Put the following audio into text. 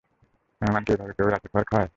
মেহমানকে এভাবে কেউ রাতের খাবার খাওয়াই?